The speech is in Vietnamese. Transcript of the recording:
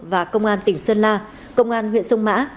và công an tỉnh sơn la công an huyện sông mã